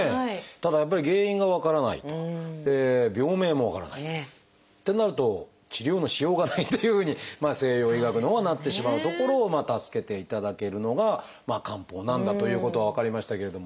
ただやっぱり原因が分からないと病名も分からないってなると治療のしようがないというふうに西洋医学のほうはなってしまうところを助けていただけるのが漢方なんだということは分かりましたけれども。